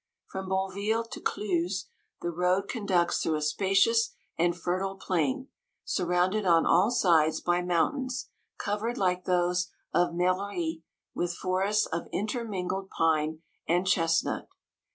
From Bonneville to Cluses the road conducts through a spacious and fertile plain, surrounded on all sides by moun tains, covered like those of Mellerie with forests of intermingled pine and chesnut.